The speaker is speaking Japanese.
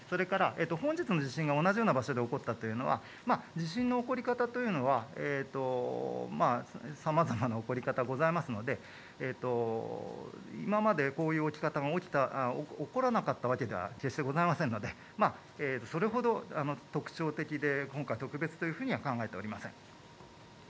本日の地震が同じような場所で起こったというのは、地震の起こり方というのは、さまざまな起こり方がありますので今までこういう起き方が起こらなかったわけではありませんのでそれほど特徴的で今回、特別というふうには考えていません。